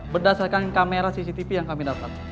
berdasarkan kamera cctv yang kami dapat